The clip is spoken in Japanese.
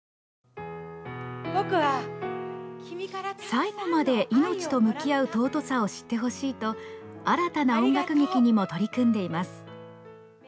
最後まで命と向き合う尊さを知ってほしいと新たな音楽劇にも取り組んでいます。